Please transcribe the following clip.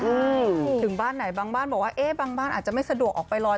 ถึงบ้านไหนบางบ้านบอกว่าเอ๊ะบางบ้านอาจจะไม่สะดวกออกไปลอย